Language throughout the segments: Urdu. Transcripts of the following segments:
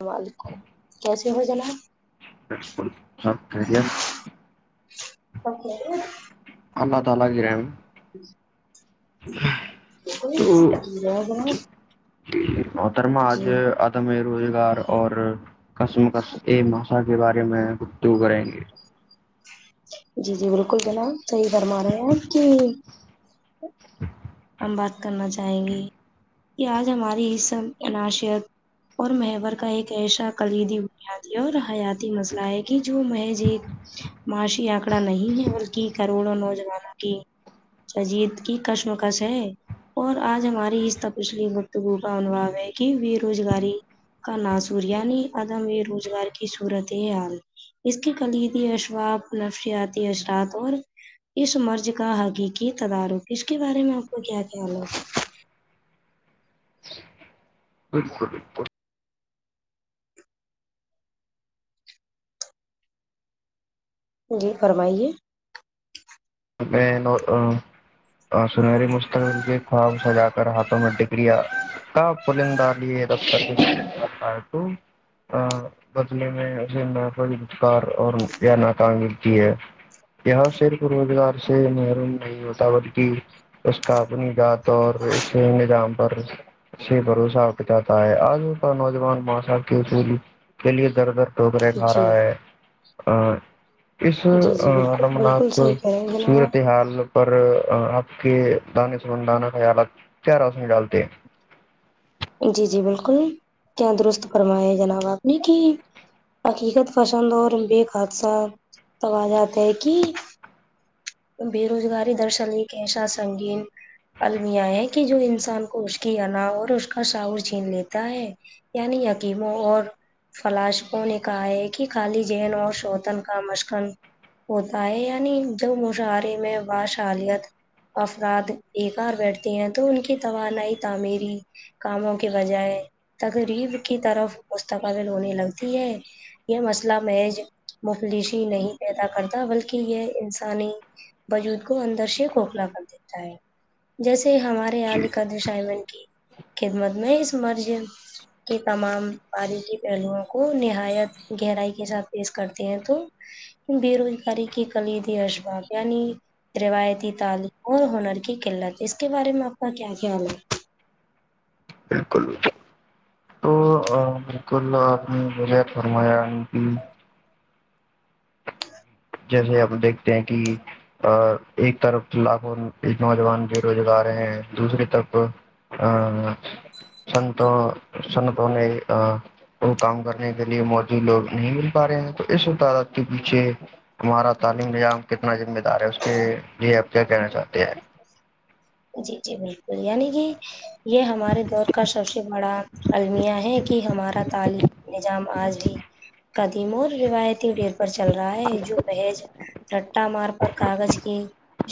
اللام و علیکم کیسے ہو جناب بالکل سبری بیشک اللہ تعالی کی رحم جی جرام محترم آج تم روزگار اور کسم کس ا بھاشا کے بارے میں گفتگ کریں گے جی جی بالکل جناب صحیح فرما رہے ہیں آپ کہ ہم بات کرنا چاہیں گی کہ آج ہماری اسب عناشت اور مور کا ایک ایسا کلیدی بنیادی اور حیاتی مسئلہ ہے کہ جو محض ایک معاشی آنکڑا نہیں ہے بلکہ کروڑوں نوجوانوں کی اچھاجیید کی کشمکش ہے اور آج ہماری اس پچھلی گفتگو کا انھو ہے کہ بے روزگاری کا ناسور نی ادم یہ روزگار کی صورت ہے حال اس کے کلیدی اشفااب نفشیاتی اثرات اور اس مرض کا حقیقی تدارک اس کے بارے میں آپ کو کیا خیال ہوگا بالکل بالکل جی فرمائیے میں اور سنہری مستقبل کے خواب سجا کر ہاتھوں میں ڈگریا کیا پرلندہ لی دفتر ہے تو بدلے میں اسے نہ کوئی گھٹکار اور یا نہ تانگلتی ہے یہ صرف روزگار سے مر نہیں ہوتا بلکہ اس کا اپنی گات اور اسی نظام پر سے بھروسہ اپچاتا ہے آج کا نوجوان ماشاح کی اصولی کے لیے در در ڈوکرے جی گ رہا ہے اس جی جی بالکل بالکل رمنات تو صحیح کہہ رہے ہیں جناب صورت حال پر آپ کے دانے سبند دانا کا خلات کیا رس میں ڈالتے ہیں جی جی بالکل کیا درست فرمایا جناب آپ نے کہ حقیقت پسند اور بے حادثہ توجات ہے کہ بے روزگاری درش لی کہسا سنگین المیاں ہے کہ جو انسان کو اس کی ان اور اس کا شاعور چھین لیتا ہے نہیں قیم اور فلاشکوں نے کہا ہے کہ خالی جذن اور شوتن کا مشقن ہوتا ہے یعنی جب مشاعرے میں باشالیت افراد ایکے ہار بیٹھتے ہیں تو ان کی توانائی تعمیری کاموں کے بجائے تقریب کی طرف مستقبل ہونے لگتی ہے یہ مسئلہ محض مفلشی نہیں پیدا کرتا بلکہ یہ انسانی بجود کو اندر سے کھوکھلا کر دیتا ہے جیسے ہمارے جی علی کا دشمین کی خدمت میں اس مرض کہ تمام باریغی پہلوؤں کو نہایت گہرائی کے ساتھ پیش کرتے ہیں تو بے روزگاری کی کلید ہے اسباب یعنی روایتی تعلیم اور ہنر کی قلت اس کے بارے میں آپ کا کیا خیال ہے بالکل تو بالکل آپ نے م فرمایا کہ جیسے آپ دیکھتے ہیں کہ ا ایک طرف لاکھوں نوجوان بے روزگار ہیں دوسری طرف سن تو سن تووں نہیں وہ کام کرنے کے لیے موجود لوگ نہیں مل پا رہے ہیں تو اس و تعداد کے پیچھے ہمارا تعلیم نظام کتنا ذمہ دار ہے اس کے لیے آپ کیا کہنا چاہتے ہیں جی جی بالکل یعنی کہ یہ ہمارے دور کا سب سے بڑا المیہ ہے کہ ہمارا تعلیم نظام آج بھی قدیم اور روایتی گھیڑ پر چل رہا ہے ج محیج رٹا مار پر کاغذ کی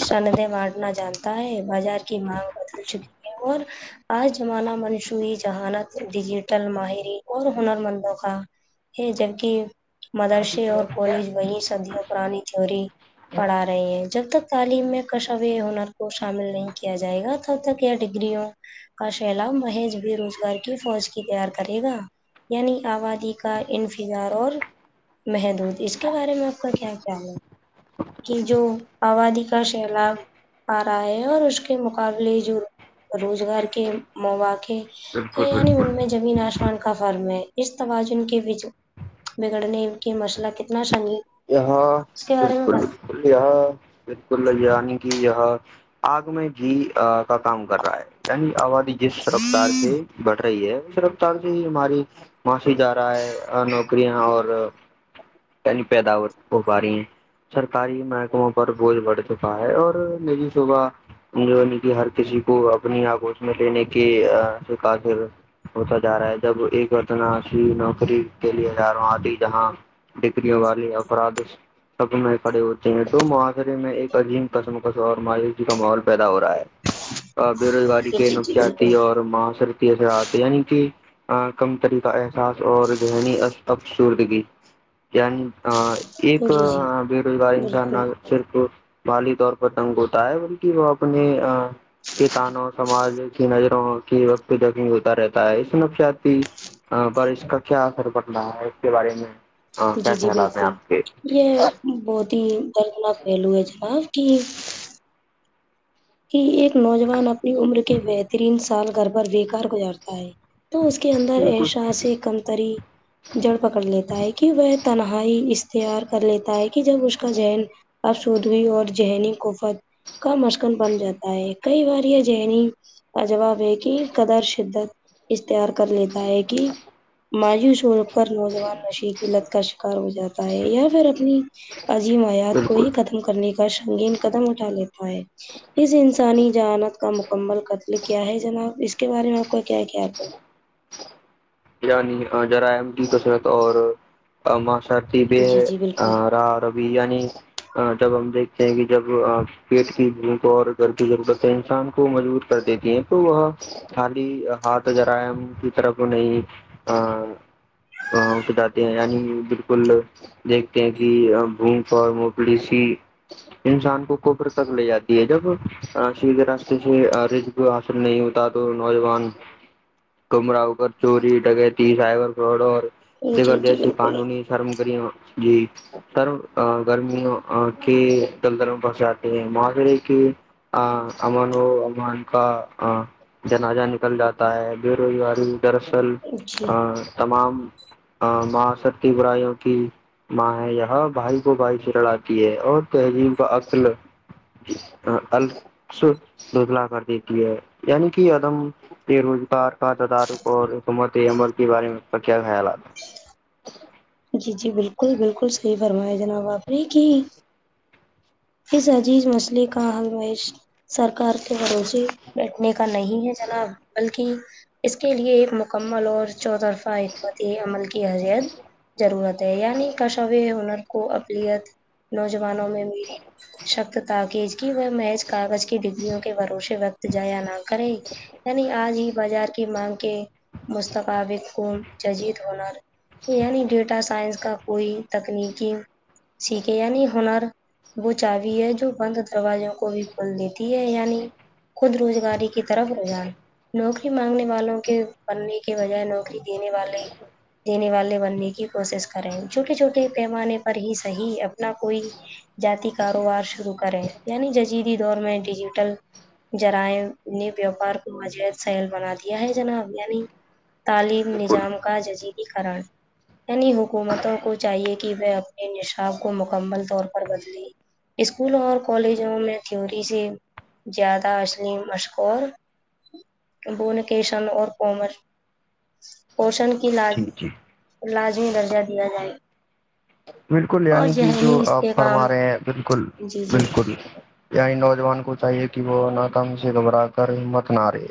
شندے بانٹنا جانتا ہے بازار کی مانگ بدل چکی ہے اور آج زمانہ منشوعی جذہانت ڈیجیٹل ماہرین اور ہنر مندوقا ہے جبک مدرسے اور کالج وہیں صدیوں پرانی تھیی پڑھا رہی ہیں جب تک تعلیم میں کشو ہنر کو شامل نہیں کیا جائے گا تب تک یا ڈگریوں کا سیلاب مہیج بے روزگار کی فوج کی تیار کرے گا یعنی آبادی کا انفظار اور محدود اس کے بارے میں آپ کا کیا خیال ہے کہ جو آبادی کا سیلاب آ رہا ہے اور اس کے مقابلے جو روزگار کے مواقع بالکل یعنی بالکل ان میں زمین آسمان کا فرم ہے اس توازن کے وج بگڑنے کے مسئلہ کتنا سنگ یہاں بالکل بالکل یہاں بالکل یعنی کہ یہاں آگ میں جی کا کام کر رہا ہے یعنی آبادی جس رفتار سے بٹ رہی ہے اس رفتار سے ہی ہماری معاش جا رہا ہے نوکریاں اور پیدا ہو پا رہی ہیں سرکاری محکموں پر بوجھ بڑھ چکا ہے اور نجی صبح جو ن کہ ہر کسی کو اپنی آگوش میں لینے کے سے کااف ہوتا جا رہا ہے جب ایک وتناسی نوکری کے لیے ہاروں آتی جہاں ڈگریوں والی افرادش سب میں کھڑے ہوتے ہیں تو معاشرے میں ایک عظیم قسم کسم اور مایوشی کا ماحول پیدا ہو رہا ہے بے روزگاری کے جی جی نقسیاتی بالکل اور ماصر اثرات یعنی کہ کم طریقہ احساس اور ذہنی افسوردگی ایک جی جی بےروزگاری بالکل سے صرف مالی طور پر تنگ ہوتا ہے بلکہ وہ اپنے کتانوں سماج کی نظروں کی وقت زخمی ہوتا رہتا ہے اس نفشیاتی ہاں پر اس کا کیا اثر پڑ رہا ہے اس کے بارے میں ہاں کیا جی جی خیالات ہیں بالکل آپ کے یہ بہت ہی دردناک پہلو ہے جناب کہ کہ ایک نوجوان اپنی عمر کے بہترین سال گھر پر بےیکار گزارتا ہے تو اس کے اندر اشا سے کمتری جڑ پکڑ لیتا ہے کہ وہ تنہائی اختیار کر لیتا ہے کہ جب اس کا ین اب سودوی اور ذہنی کوفت کا مس بن جاتا ہے کئی بار یہ ذہنی کا جواب ہے کہ قدر شدت اشتہار کر لیتا ہے کہ مایوسوڑ کر نوجوان نشی کی لت کا شکار ہو جاتا ہے یا پھر اپنی عظیم آیات کو بالکل ہی ختم کرنے کا سنگین قدم اٹھا لیتا ہے اس انسانی جانت کا مکمل قتل کیا ہے جناب اس کے بارے میں آپ کا کیا خیال ہے یعنی جرائم کی کثرت اور معاشر ہے سبے جی جی بالکل را روی جب ہم دیکھتے ہیں کہ جب پیٹ کی بھو کو اور گر کی ضرورت ہے انسان کو مجبور کر دیتی ہیں تو وہاں خالی ہاتھ جرائم کی طرف نہیں جاتے ہیں یعنی بالکل دیکھتے ہیں کہ بھوک اور موپلی سی انسان کو کفر تک لے جاتی ہے جب سیدھے راستے سے حاصل نہیں ہوتا تو نوجوان کمرہ ہو کر چوری سائبر فاڈ اور دیگر جی جی جیسی بالکل قانونی سرم جی ترم گرمیوں کے جلدر میں بس جاتے ہیں معاشرے کے ہاں امن امان کا ہاں جناجہ نکل جاتا ہے بے روزگاری دراصل جی تمام ماں ستی براہوں کی ماں ہے یہاں بھائی کو بھائی لڑاتی ہے اور تہذیب کا عکل الس ددلا کر دیتی ہے یعنی کہ ادم بے روزگار کا تدارک اور حکمت عمل کے بارے میں اس کا کیا خیالات جی جی بالکل بالکل صحیح فرمایا جناب آپ نے کہ اس عزیز مسئلے کا حل مش سرکار کے بھروسے بیٹھنے کا نہیں ہے چلا بلک کہ اس کے لیے ایک مکمل اور چو طرفہ حکمتی عمل کی حثت ضرورت ہے یعنی کشو ہنر کو اقلیت نوجوانوں میں میلی شبت تاکیز کی وہ محض کاغذ کی ڈگریوں کے بھروسے وقت جایا نہ کرے یعنی آج ہی بازار کی مانگ کے مستقابی خون ججید ہونا یعنی ڈیٹا سائنس کا کوئی تکنیکی سیکھے یعنی ہنر وہ چاوی ہے جو بند دروازوں کو بھی کھول دیتی ہے یعنی خود روزگاری کی طرف رجان نوکری مانگنے والوں کے پننے کے بجائے نوکری دینے والے دینے والے بننے کی کوشش کریں چھوٹے چھوٹے پیمانے پر ہی صحیح اپنا کوئی جات کاروبار شروع کرے یعنی ججیدی دور میں ڈیجیٹل جرائم نے بیوپار کو عجید سہیل بنا دیا ہے جناب یعنی تعلیم ہے بالکل نظام کا جزیدی قرن یعنی حکومتوں کو چاہیے کہ وہ اپنے نشاب کو مکمل طور پر بدلے اسکولوں اور کالجوں میں تھیوری سے زیادہ الیم مشغور ابو نکشن اور کومر پوشن کی جی جی لازمی درجہ دیا جائے بالکل اور یعنی جو ذہنی آپ فرما استحکام رہے ہیں بالکل جی جی بالکل یعنی نوجوان کو چاہیے کہ وہ نہ ہم سے گھبرا کرمت نہارے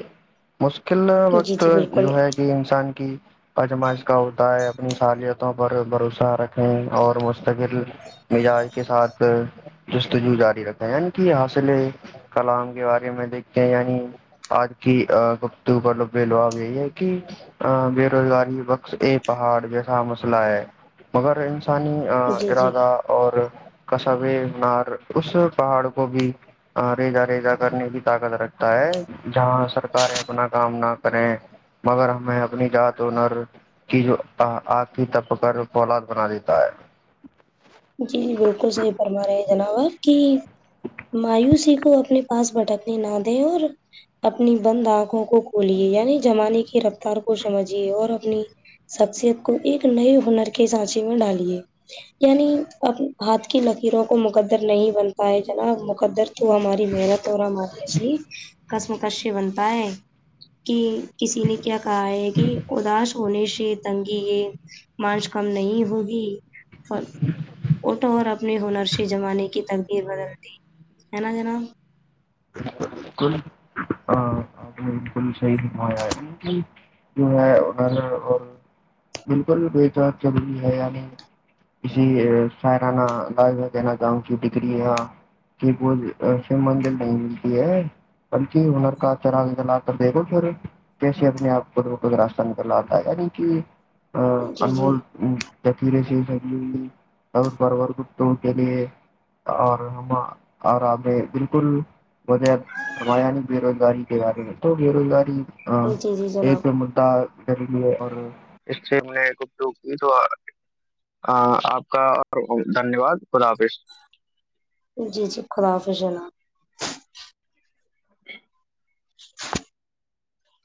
مشکل جی وقت جی بالکل جو ہے انسان کی آجمائش کا ہوتا ہے اپنی سلیتوں پر بھروسہ رکھنے اور مستقل مزاج کے ساتھ جستجو جاری رکھا ہے یعنی کہ حاصل کلام کے بارے میں دیکھتے یعنی آج کی گفتگو کا لوبےلوباب یہی ہے کہ بےروزگاری بخش اے پہاڑ جیسا مسئلہ ہے مگر انی جی جی ارادہ اور کصبے مار اس پہاڑ کو بھی ریزا ریزا کرنے بھی طاقت رکھتا ہے جہاں سرکاریں اپنا کام نہ کریں مگر ہمیں اپنی ات ونر کی آخھی تپ کر اولاد بنا دیتی [inaudible] جی جی بالکل صحیح فرما رہے ہیں جناب آپ کی مایوسی کو اپنے پاس بھٹکنے نہ دے اور اپنی بند آنکھوں کو کھولیے یعنی زمانے کی رفتار کو سمجھیے اور اپنی شخصیت کو ایک نئے ہنر کے سانچے میں ڈالیے یعنی اب ہاتھ کی لکیروں کو مقدر نہیں بنتا ہے جناب مقدر تو ہماری محنت اور ہماری اس کسم کش بنتا ہے کہ کسی نے کیا کہا ہے کہ اداس ہونے سے تنگی یہ مارچ کم نہیں ہوگی اٹ اور اپنے ہنرش جمانے کی تقبیر بدل دی ہے نا جناب بال بکل شی جو ہے اھر اور بالکل بھی کو چت روری ہے یعنی اسسی ساہرانہ انداز میں کہنا چاہوں کہ ڈگری یہاں ج پ شیو مندر نہیں ملتی ہے بلکی ہنر کا چرتنا کر دےھو پھر کیسے اپنے آپ خود کو راستہ نکل لاتا ہے یعنی کہ جی جی انمول تکیرے سےگ اور باروار ک تو کے لی اور ہم اور آے بالکل بغیر فرمایا نہیں بے روزگاری کے بارے میں تو بے روزگاری ہاں جی جی جناب ایک مددا کریں گے اور اس سے آپ کا اور دھنیہ واد خدا حافظ جی جی خدا حافظنا